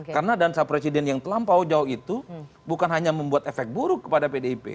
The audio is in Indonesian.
karena dansa presiden yang terlampau jauh itu bukan hanya membuat efek buruk kepada pdip